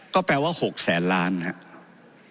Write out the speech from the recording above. ก็แปลว่า๖แสนล้านครับ